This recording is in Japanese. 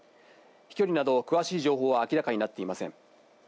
飛距離など、詳しい情報は明らかになっていません。